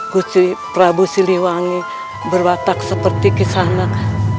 kusi prabu siliwangi berwatak seperti kisah anak